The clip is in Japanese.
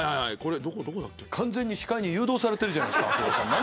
完全に司会に誘導されてるじゃないですか。